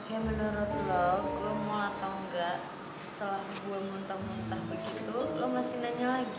ya menurut lo gue mau atau enggak setelah gue muntah muntah begitu lo masih nanya lagi